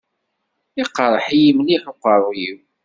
Iqerreḥ-iyi mliḥ uqerruy-iw.